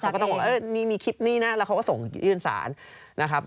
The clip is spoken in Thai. เขาก็ต้องบอกว่ามีคลิปนี้นะแล้วเขาก็ส่งยื่นสารนะครับ